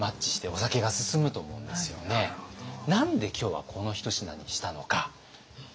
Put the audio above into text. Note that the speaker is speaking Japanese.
何で今日はこの一品にしたのかご覧頂きます。